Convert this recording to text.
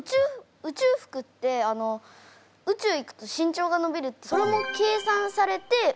宇宙服って宇宙行くと身長が伸びるってそれも計算されて宇宙服を作ってるんですか？